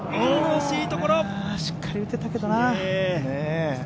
しっかり打てたけどな。